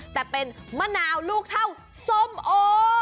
แต่เป็นมะนาวลูกเท่าส้มโอ